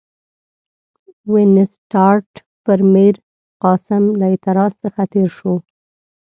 وینسیټیارټ پر میرقاسم له اعتراض څخه تېر شو.